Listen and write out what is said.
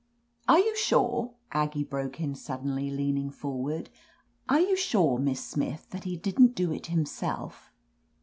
"Are you sure," Aggie broke in suddenly, leaning forward, "are you sure, Miss Smith, that he didn't do it himself